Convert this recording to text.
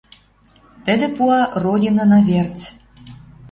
Тӹдӹ пуа Родинына верц.